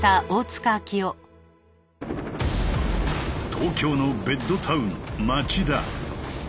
東京のベッドタウン町田。